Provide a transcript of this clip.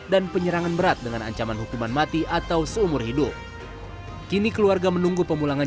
dan penyerangan berat dengan ancaman hukuman mati atau seumur hidup kini keluarga menunggu pemulangan